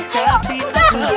tuhan tuhan tuhan